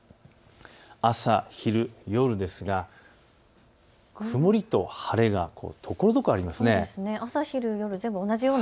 朝昼夜ですが、曇りと晴れがところどころありますね。